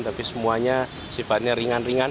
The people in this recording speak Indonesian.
tapi semuanya sifatnya ringan ringan